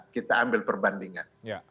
kita ambil perbandingan